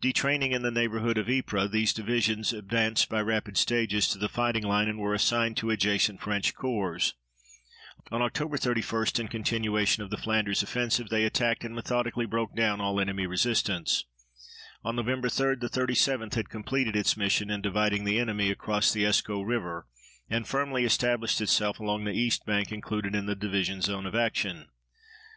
Detraining in the neighborhood of Ypres, these divisions advanced by rapid stages to the fighting line and were assigned to adjacent French corps. On Oct. 31, in continuation of the Flanders offensive, they attacked and methodically broke down all enemy resistance. On Nov. 3 the 37th had completed its mission in dividing the enemy across the Escaut River and firmly established itself along the east bank included in the division zone of action.